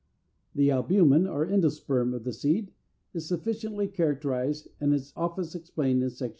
387. =The Albumen or Endosperm= of the seed is sufficiently characterized and its office explained in Sect.